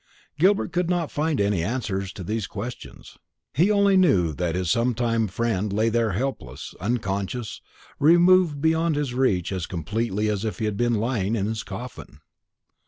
Gilbert could not find any answer to these questions. He only knew that his sometime friend lay there helpless, unconscious, removed beyond his reach as completely as if he had been lying in his coffin.